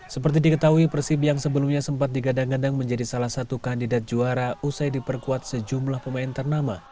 seperti diketahui persib yang sebelumnya sempat digadang gadang menjadi salah satu kandidat juara usai diperkuat sejumlah pemain ternama